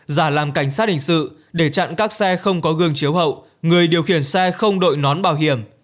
giả làm cảnh sát hình sự để chặn các xe không có gương chiếu hậu người điều khiển xe không đội nón bảo hiểm